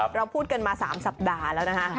เราพูดกันมา๓สัปดาห์แล้วนะคะ